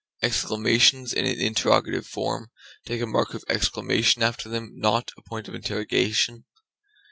Exclamations in an interrogative form take a mark of exclamation after them, not a point of interrogation.